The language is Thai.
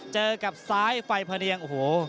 เจอกับซ้ายไฟพะเรียงโอ้โห